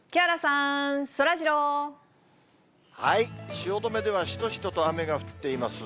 汐留ではしとしとと雨が降っています。